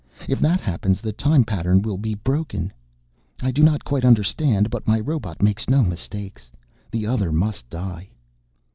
If that happens, the time pattern will be broken.... I do not quite understand, but my robot makes no mistakes. The Other must die...."